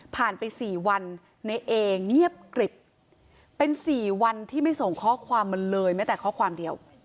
ไป๔วันในเอเงียบกริบเป็น๔วันที่ไม่ส่งข้อความมาเลยแม้แต่ข้อความเดียว